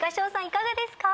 いかがですか？